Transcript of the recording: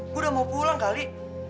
gue udah mau pulang kali